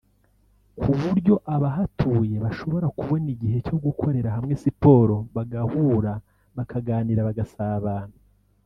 ku buryo abahatuye bashobora kubona igihe cyo gukorera hamwe siporo bagahura bakaganira bagasabana